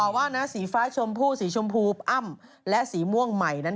ว่านะสีฟ้าชมพู่สีชมพูอ้ำและสีม่วงใหม่นั้น